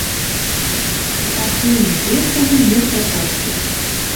Партийный еъездӹн мир пӓшӓштӹ